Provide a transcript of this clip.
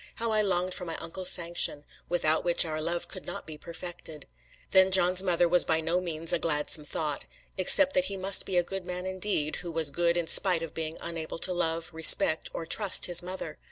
how I longed for my uncle's sanction, without which our love could not be perfected! Then John's mother was by no means a gladsome thought except that he must be a good man indeed, who was good in spite of being unable to love, respect, or trust his mother!